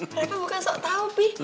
eh reva bukan sok tau pi